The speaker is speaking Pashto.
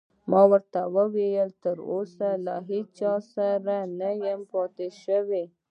ما ورته وویل: تراوسه له هیڅ چا سره نه یم پاتې شوی.